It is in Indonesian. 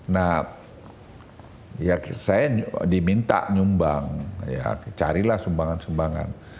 nah ya saya diminta nyumbang ya carilah sumbangan sumbangan